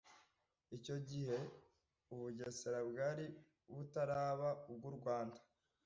Icyo gihe u Bugesera bwari butaraba ubw’u Rwanda,